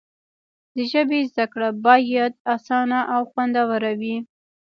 د ژبې زده کړه باید اسانه او خوندوره وي.